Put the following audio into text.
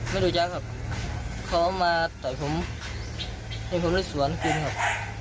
ไม่รู้ยักษ์ครับเขามาต่อยผมให้ผมเลยสวนกินครับ